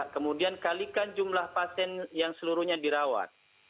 kemudian kalikan jumlah pasien yang seluruhnya dirawat